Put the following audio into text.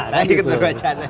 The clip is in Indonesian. tidak ikut berwacana